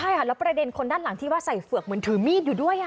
ใช่ค่ะแล้วประเด็นคนด้านหลังที่ว่าใส่เฝือกเหมือนถือมีดอยู่ด้วย